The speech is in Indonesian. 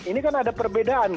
ini kan ada perbedaan